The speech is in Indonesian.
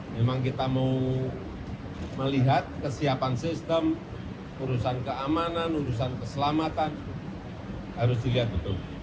memang kita mau melihat kesiapan sistem urusan keamanan urusan keselamatan harus dilihat betul